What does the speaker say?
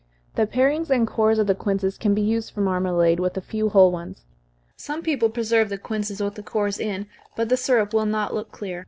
The parings and cores of the quinces can be used for marmalade, with a few whole ones. Some people preserve the quinces with the cores in, but the syrup will not look clear.